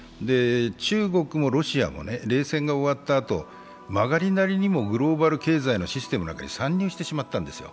中国もロシアも冷戦が終わった後、まがりなりにもグローバル経済のシステムなんかに参入してしまったんですよ。